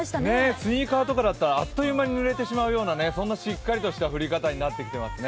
スニーカーとかだったらあっという間にぬれてしまうような、しっかりとした降り方になってきています。